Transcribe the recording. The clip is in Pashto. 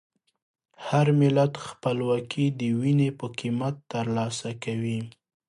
هر ملت خپلواکي د وینې په قیمت ترلاسه کوي.